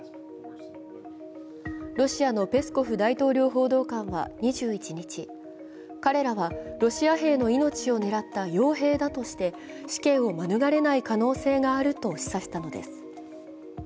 ロシアのペスコフ大統領報道官は２１日、彼らはロシア兵の命を狙ったよう兵だとして、死刑を免れない可能性があると示唆したのです。